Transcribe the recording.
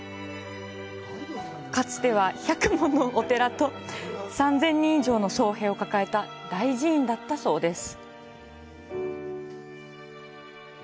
かつては１００ものお寺と３０００人以上の僧兵を抱えた大寺院だったそうです。